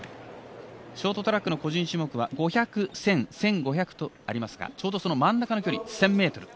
ショートトラックの個人種目は５００、１０００、１５００とありますがちょうど真ん中の距離１０００ｍ。